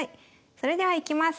それではいきます。